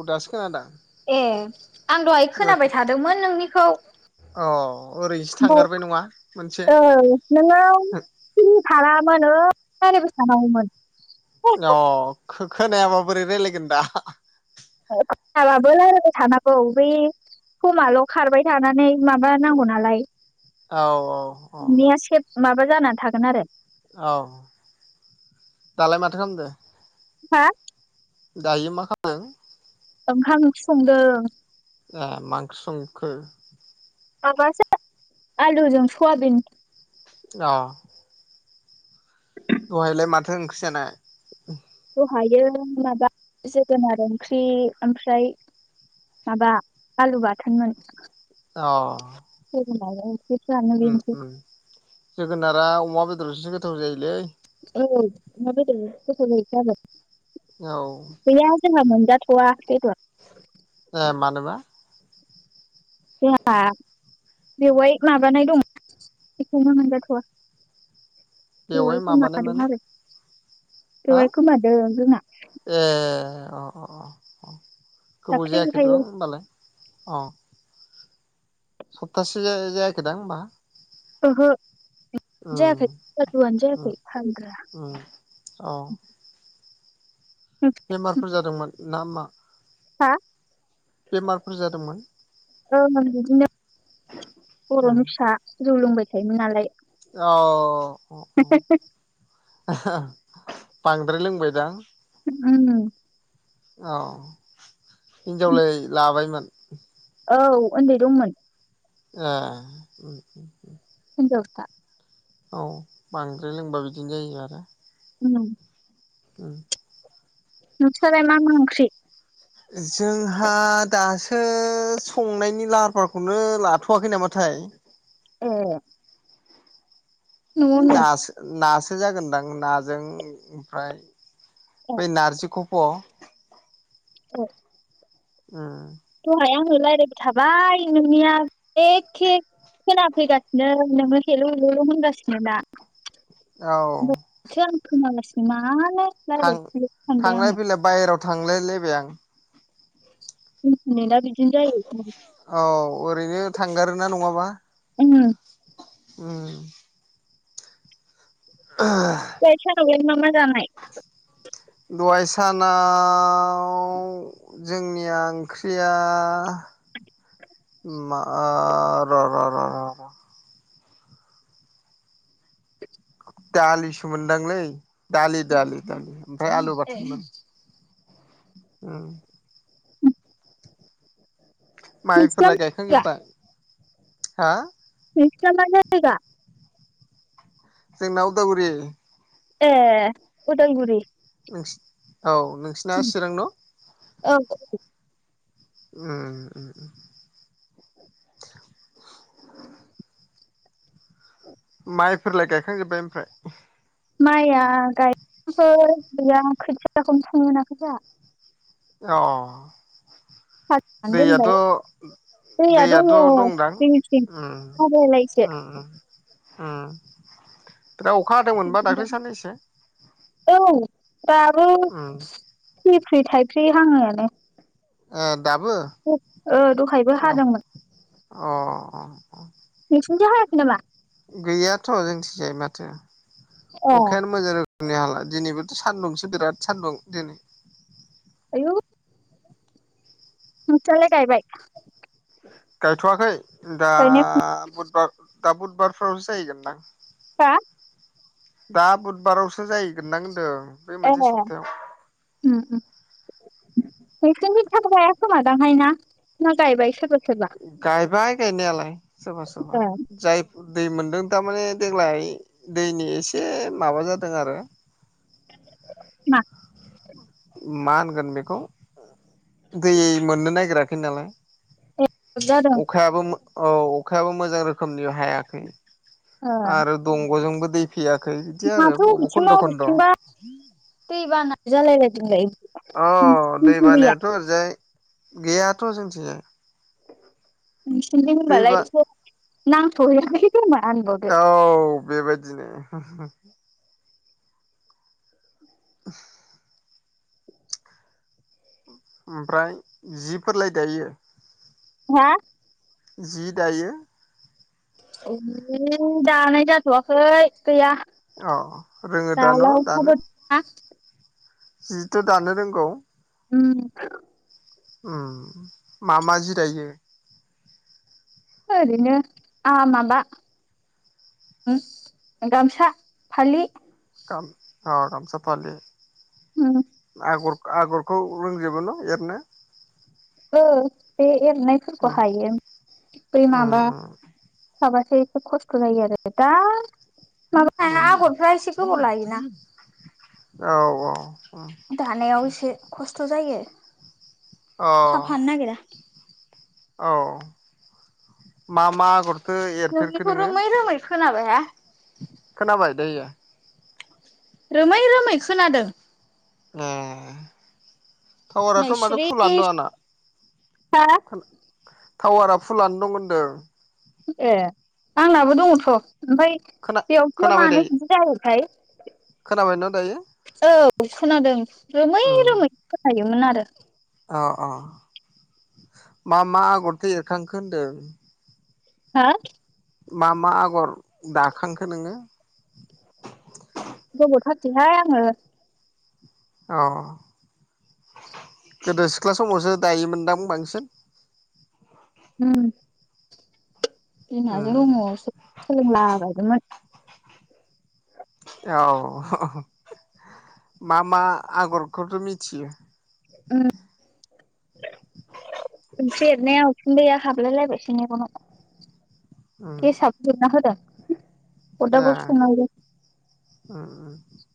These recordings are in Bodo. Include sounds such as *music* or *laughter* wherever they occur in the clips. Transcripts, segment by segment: औ दासो खोनादों ए आं दहाय खोनाबाय थादोंमोन नोंनिखौ? अ ओरैसो थांगारबाय नङा मोनसे औ । मानो लायरायबाय थानांगौ मोन । अ खो-खोनायाबा बोरै रायलायगोन दा हाबाबो रायलायबाय थानांगौ बै खमाल' खारबाय थानानै माबा नांगौ नालाय। औ औ औ। नोंनिया सेब माबा जानानै थागोन आरो। औ दालाय माथो खामदो? हा? दायो मा खामदों? ओंखाम ओंख्रि संदों। ए मा ओंख्रि संखो? माबासो आलुजों सवाबिन। अ दहायलाय माथो ओंख्रि जानाय? हायो माबा जोगोनार ओंख्रि ओमफ्राय माबा आलु बाथोनमोन। अ ओंख्रिफ्रानो उम बेनोसै उम जोगोनारा अमा बेदरजोंसो गोथाव जायो। औ अमा बेदरजोंसो गोथाव जायोथ' औ आरो। गैया जोंहा मोनजाथ'वा बेदर। ए मानोबा? *unintelligible* बेवाय माबानाय दं बेखायनो मोनजाथ'वा। बेवहाय बेवायखौ माबानाय मादों माने आरो। हो बेवाय गोमादों जोंना। ए अ -अ -अ -अ गोबाव जायाखैथ' दाख्लैहायो होमबालाय अ सप्तासे जा जायाखैदां होनबा? ओहो। जायाखै सारादुआनो उम जायाखै उम औ *unintelligible* बेमारफोर जादोंमोन ना मा? हा बेमारफोर जादोंमोन? ओंं बिदिनो बर'नि फिसा जौ लोंबाय थायोमोन नालाय। अ -अ -अ बांद्राय लोंबायदां? उम औ हिन्जावलाय लाबायमोन? औ ओन्दै दंमोन। ए उम - उम - उम हिन्जावसा। औ बांद्राय लोंबा बिदिनो जायो आरो। उम उम नोंसालाय मा मा ओंख्रि? जोंहा दासो संनायनि लाहार - फाहारखौनो लाथ'वाखै नामाथाय। ए है न'आवनो नासो नासो जागोनदां नाजों ओमफ्राय दं बेै नारजिखौ फ' औ उम दहाय रायज्लायबाय थाबाय नोंनिया एखे खोनाफैगासिनो नोङो हेलौ हेलौल' होनगासिनो ना औ बुङालासिनो मानो थां रायज्लायखुलि सानबाय आङो थांलाय- फैलाय बायहेरायाव थांलायलायबाय आं। नेतआ बेदिनो जायो। औ ओरैनो थांगारोना नङाबा। उम। उम। दहाय सानावलाय मा मा जानाय। दहाय सानाव जोंनिया ओंख्रिया मा ओ र - र - र - र । *inaudible* दालिसो मोनदांलै दालि दालि दालि ओमफ्राय आलु बाथोनमोन। उम। माइफोरलाय *unintelligible* गायखांजोब्बाय हा जायगा जोंना उदालगुरि। ए अदालगुरि। नोंसि औ नोंसिना चिरां न'। औ उम। माइफोरालाय गायखांजोबबाय ओमफ्राय? माइआ गायफोर गैया खोथियाखौनो फुनो मोनाखै जोंहा। अ हालेवनानै दैयाथ' दोनबाय दैया दङ दैयाथ' दंदां जोंनिथिं उम आग्लायलायसो उम उम। उम बिराद अखा हादोंमोनबा दाख्लै साननैसो। औ दाबो उम फ्रिफ्रि थाइफ्रि हाङोआनो। ओ। दाबो दहायबो अ हादोंमोन। नोंसिनिथिं अ हायाखै नामा गैयाथ' जोंनिथिंजाय माथो ए अखायानो मोजां नि हाला दिनैबोथ' सान्दुंसो बिराद सान्दुं दिनै। आयौ नोंसालाय गायबाय? गायथ'वाखै दा गायनायफ्रा बुद दा बुदबारफोरावसो जाहैगोनदां। हा दा बुदबारावसो जाहैगोन दां होनदों। बे एहे मोनसे सप्तायाव उम उम नोंसोरनि थाब गायिखोमादां हाय ना ना गायबाय सोरबा सोरबा गायबाय गायनायालाय सोरबा सोरबा ए जाय दै मोनदों थारमाने देग्लाय दैनि एसे माबा जादों आरो। मा मा होनगोन बेखौ दै मोननो नागिराखै नालाय। ए जादों अखायाबो औ अखायाबो मोजां रोखोमनि हायाखै। ए आरो दंग'जोंबो दै फैयाखै बिदि आरो माथो बबाव अबेथिंबा खन्द' खन्द' अबेथिंबा दै बाना जालायलाय अ दै बानायाथ' ओरैजाय गैयाथ' जोंथिंजाय नोसोरनिथिं होमबालाय दैबा नांथ'हैयाखै खोमा औ बेबायदिनो *inaudible* ओमफ्राय जिफोरलाय दायो। हा जि दायो दानाय जाथ'वाखै गैया अ रोङो दा दालाय न' अखा दानो बोथोरना जिथ' दानो रोंगौ उम ओम मा मा जि दायो? ओरैनोनो आ माबा गामसा फालि गाम आ गामसा फालि उम आगर आगर खौ रोंजोबोन' एरनो ओ बे एरनायफोरखौ हायो बै माबा साबासै एसे खस्थ' जायो आरो दा माबा हाया आगरफ्रा एसे गोबाव लायोना औ औ दानायाव एसे खस्थ' जायो अ थाब हानो नागिरा औ मा मा आगरथो एरफेरखो नोंनिखौ नोङो रोमै रोमै खोनाबाय हाय खोनाबाय दायो रोमै रोमै खोनादों ओम नै टावाराथ' माथो सिरि फुलनो दं आंना हा टावारा फुलानो दं होनदों ए आंनाबो दङथ' ओमफ्राय खोना बेयावथो खोनाबाय मानो दायो बिदि जायोथाय खोनाबायना दायो औ खोनादों रोमै उम रोमै खोनायोमोन आरो अ अ मा मा आगरथ एरखांखो होनदों हा मा मा आगर दाखांखो नोङो गोबावथारसैहाय आङो औ गोदो सिख्ला समावसो दायोमोनदां बांसिन उम उम *unintelligible* औ मा मा आगरखौथ' मिथियो उम बेरनाया उखुन्दैया हाबलायलायबायसो मेगनाव उम गेसाबो जोबना होदों अरदाबाव ए संनांगौ ओम ओम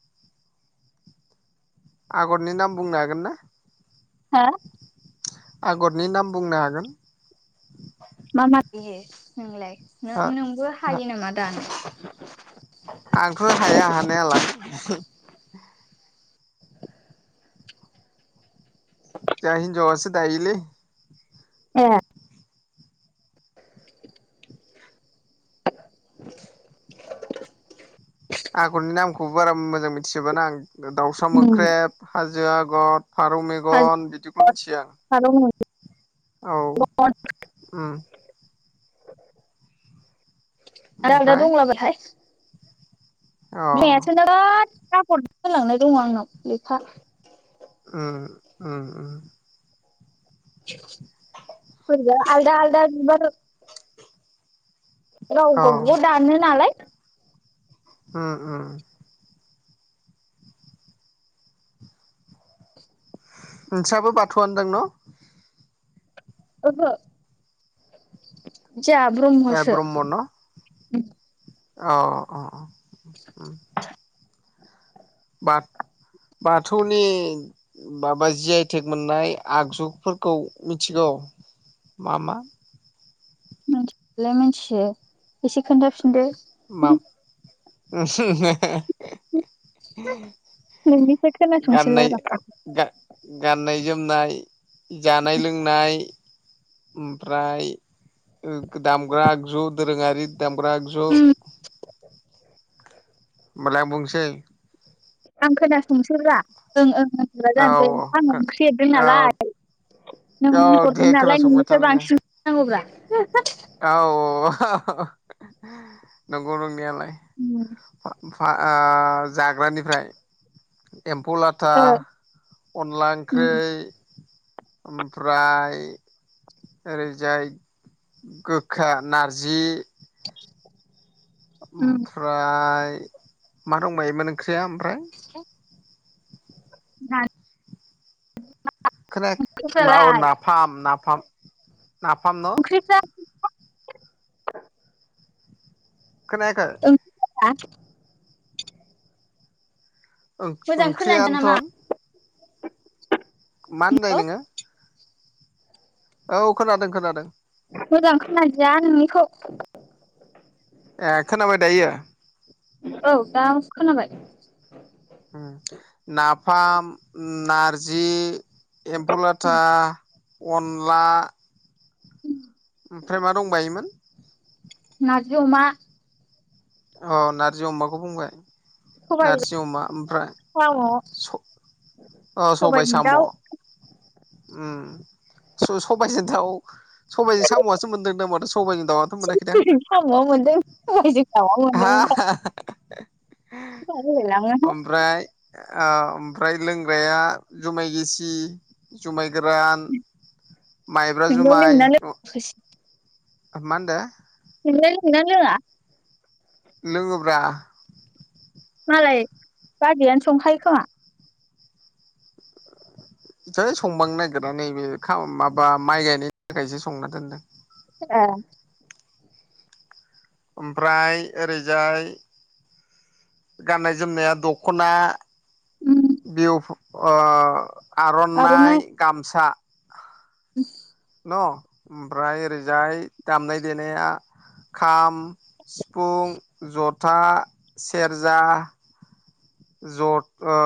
आगरनि नाम बुंनो हागोन ना हा आगरनि नाम बुंनो हागोन नो हा नोंबो हा हायो नामा दानो आंथ' हाया हानायालाय जोंहा हिनजावासो दायोलै ए आगरनि नामखौबो बारा मोजां मिथिजोबा आं दाउसा मोख्रेब हाजो आगर फारौ आलदा मेगन बिदिखौल' मिथियो आं औ ओम ओमफ्राय *unintelligible* अ बिमायासो बिराद सापद होलांनाय दङ आंनाव लेखा ओम ओम ओम आलदा आलदा अ गावबा गाव दाननो नालाय ओम ओम नोंस्राबो बाथौआनो दां न' ओहो जोंहा ब्रह्मसो *inaudible* औ औ बार बाथौनि माबा जि आइ टेक मोननाय आगजुफोरखौ मिथिगौ मा मा मिथिलाय मिथियो एसे खोनथाफिनदो मा उम नोंनिफ्राय *unintelligible* गाननाय खोनासंसैलाब्रा गाननाय जोमनाय जानाय लोंनाय ओमफ्राय दामग्रा आगजु दोरोङारि दामग्रा आगजु होनबालाय आं बुंसै आं खोनासंसैब्रा ओं ओं औ ओंखाम ओंख्रि औ एरदोंनालाय नों औ दे हरगोन नालाय खोनासंबाय था नोंनिफ्राय बांसिन नांगौब्रा औ नंगौ नंनायालाय *inaudible* ओ जाग्रानिफ्राय *unintelligible* एम्फौ लाथा अनला ओंख्रि ओमफ्राय ओरैजाय गोखा नारजि *inaudible* ओमफ्राय मा दंबायोमोन ओंख्रिया ओमफ्राय *inaudible* खोना औ नालाय नाफाम नाफाम नाफाम न ओंख्रिफ्रा खोनायाखै ओंख्रिफोरा मोजां खोनादिया ओंख्रियानोथ नामा मा होननाय औ नोङो औ खोनादों खोनादों मोजां खोनाया नोंनिखौ ए खोनबाय दायो औ दा खोनाबाय नाफाम, नारजि एम्फौ लाथा अनला *inaudible* ओमफ्राय मा दंबायोमोन नारजि अमा अ नारजि अमाखौ बुंबाय सबाइ नारजि अमा ओमफ्राय साम' अ सबाइ सबाइजों साम' दाउ उम सबायजों दाउ सबायजों साम'आसो मोनदों दा माथ साम'आ मोनदों सबायजों साम मोन *unintelligible* हा होलायलाङोहाय ओमफ्राय ओमफ्राय लोंग्राया जुमाय गिसि जुमाय गोरान माइब्रा नोंलाय जुमाय लोंङोना लोङा मा होनदों नोंलाय लोङोना लोङा लोङोब्रा मालाय बाजैआनो संखायो खोमा। है संबांनो नागिरा नैबे माबा माइ गायनायनि थाखायसो संना दोनदों। ए ओमफ्राय ओरैजाय गाननाय जोमनाया दख'ना उम बिहु ओ आर'नाइ गामसा। अ *inaudible* ओमफ्राय ओरैजाय दामनाय देनाया खाम, सिफुं, जथा, सेरजा जत ओ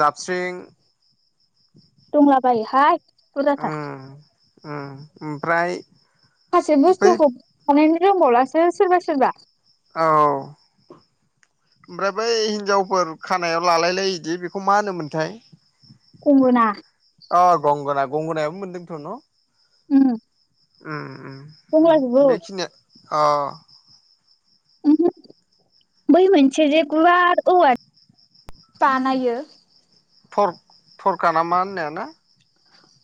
जाबस्रिं *unintelligible* ओं ओमफ्राय माखासे बै बुस्थुखौ बानायनो रोंबावलासो सोरबा सोरबा। औ। ओमफ्राय बै हिनजावफोर खानायाव लालायलायिदि बेखौ मा होनोमोनथाय? खंगना। अ गंगोनना गंगोनायाबो मोनदोंथ' न। उम। उम-उम- उम गंलाजोबो बेखिनिया अ। उमहो *inaudible* बै मोनसे जे गवार औवाजों बानायो थर-थरखा ना मा होननायाना।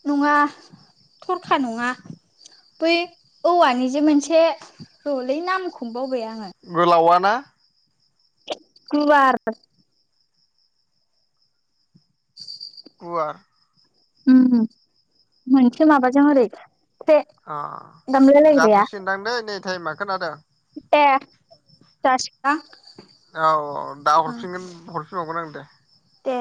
नङा थरखा नङा। बै औवानि जे मोनसे रलै नामखौ गोलावाना? गुवार। *inaudible* गुवार। उम मोनसे माबाजों ओरै। ख्रे अ दामलायलायग्राया जाथ'सिनदांदै नै टाइमा खोनादों। ए। औ औ दा हरफिनगोन *unintelligible* हरफिनबावगोन आं दे दे।